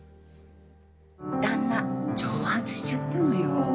旦那、蒸発しちゃったのよ。